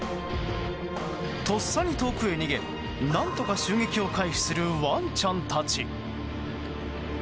とっさに遠くへ逃げ何とか襲撃を回避するワンちゃんたち。